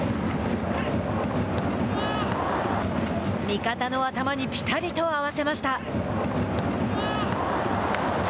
見方の頭にぴたりと合わせました。